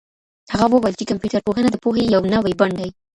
هغه وویل چي کمپيوټر پوهنه د پوهې یو نوی بڼ دی.